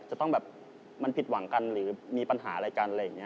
จะต้องแบบมันผิดหวังกันหรือมีปัญหาอะไรกันอะไรอย่างนี้